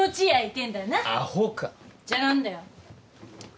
じゃあ何だよ？